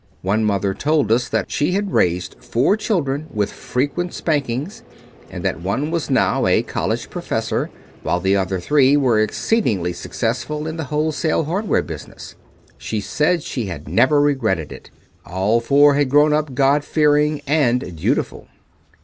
One mother told us that she had raised four children with frequent spankings and that one was now a college professor while the other three were exceedingly successful in the wholesale hardware business. She said she had never regretted it. All four had grown up God fearing and dutiful.